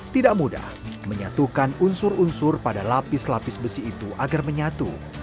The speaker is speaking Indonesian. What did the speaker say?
tidak mudah menyatukan unsur unsur pada lapis lapis besi itu agar menyatu